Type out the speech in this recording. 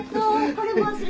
これ。